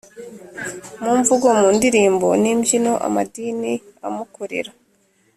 mu mvugo, mu ndilimbo n' imbyino, amadini amukorera